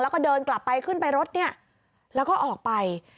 แล้วก็เดินกลับไปขึ้นไปรถเนี่ยแล้วก็ออกไป